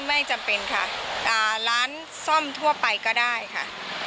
ไม่จำเป็นค่ะร้านซ่อมทั่วไปก็ได้ค่ะ